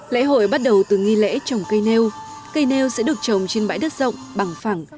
lễ hội bắt đầu từ nghi lễ trồng cây nêu cây nêu sẽ được trồng trên bãi đất rộng bằng phẳng